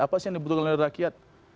apa sih yang dibutuhkan oleh rakyat